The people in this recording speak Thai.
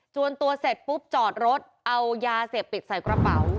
วนตัวเสร็จปุ๊บจอดรถเอายาเสพติดใส่กระเป๋า